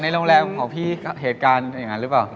โรงแรมของพี่เหตุการณ์อย่างนั้นหรือเปล่า